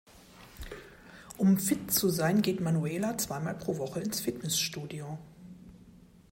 Um fit zu sein, geht Manuela zweimal pro Woche ins Fitnessstudio.